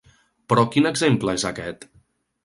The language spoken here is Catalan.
Però quin exemple és aquest?